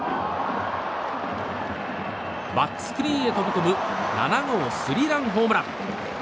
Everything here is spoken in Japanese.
バックスクリーンへ飛び込む７号スリーランホームラン。